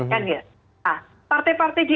kan ya nah partai partai di